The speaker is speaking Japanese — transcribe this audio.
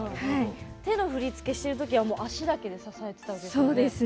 手の振り付けしてるときは足だけで支えてるんですよね。